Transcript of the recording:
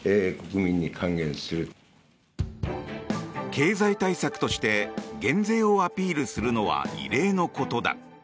経済対策として減税をアピールするのは異例のことだ。